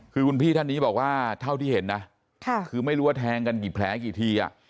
คือคุณพี่ท่านนี้บอกว่าเท่าที่เห็นนะคือไม่รู้ว่าแทงกันกี่แผลกี่ที